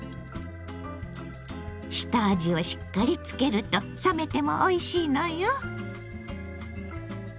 下味をしっかりつけると冷めてもおいしいのよ。